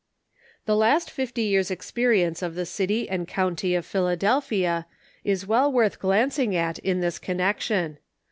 The last &(iy years' experience of the city and county of Phila delphia is well worth glancing at in this connection.